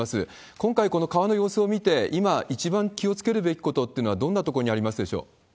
今回、この川の様子を見て、今、一番気をつけるべきことってのはどんなことにありますでしょう。